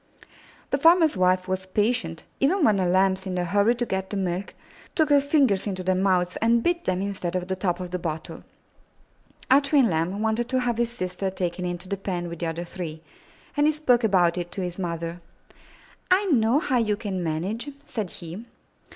The farmer's wife was patient, even when the Lambs, in their hurry to get the milk, took her fingers into their mouths and bit them instead of the top of the bottle. Our twin Lamb wanted to have his sister taken into the pen with the other three, and he spoke about it to his mother. '*I know how you can manage," said he.